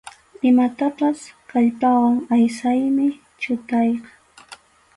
Imatapas kallpawan aysaymi chutayqa.